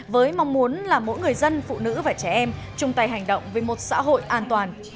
với mong muốn là mỗi người dân phụ nữ và trẻ em chung tay hành động với một xã hội an toàn